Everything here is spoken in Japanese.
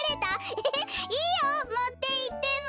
エヘヘいいよもっていっても。